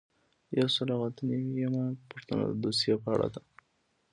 یو سل او اته نوي یمه پوښتنه د دوسیې په اړه ده.